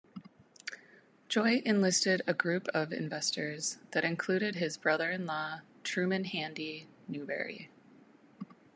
Joy enlisted a group of investors that included his brother-in-law, Truman Handy Newberry.